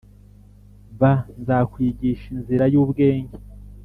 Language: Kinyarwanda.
b Nzakwigisha inzira y ubwenge